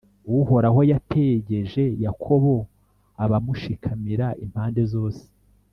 Uhoraho yategeje Yakobo abamushikamira impande zose;